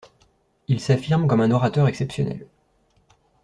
Il s'affirme comme un orateur exceptionnel.